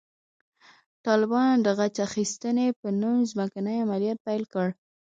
طالبانو د غچ اخیستنې په نوم ځمکني عملیات پیل کړل.